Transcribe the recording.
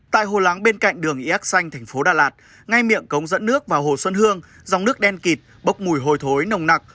tại hồ lắng bên cạnh đường y ác xanh tp đà lạt ngay miệng cống dẫn nước vào hồ xuân hương dòng nước đen kịt bốc mùi hồi thối nồng nặc